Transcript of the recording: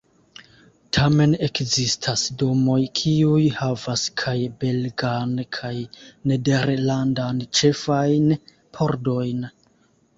Tamen ekzistas domoj, kiuj havas kaj belgan kaj nederlandan ĉefajn pordojn.